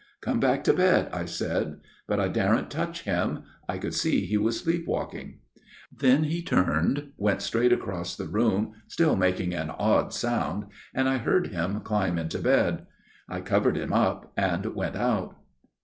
' Come back to bed/ I said, but I daren't touch him. I could see he was sleep walking. " Then he turned, went straight across the room, still making an odd sound, and I heard him climb into bed. " I covered him up, and went out."